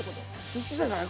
寿司じゃない？